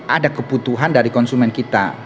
ada kebutuhan dari konsumen kita